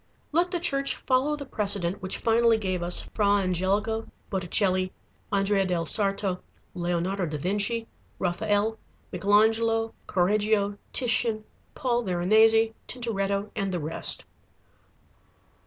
Let the Church follow the precedent which finally gave us Fra Angelico, Botticelli, Andrea del Sarto, Leonardo da Vinci, Raphael, Michelangelo, Correggio, Titian, Paul Veronese, Tintoretto, and the rest.